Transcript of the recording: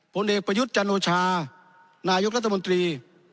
ผลเด็กประยุทธ์จันทรวชานายุทธ์รัฐมนตรี